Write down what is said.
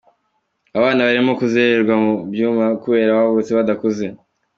Abana barimo kurererwa mu byuma kubera bavutse badakuze.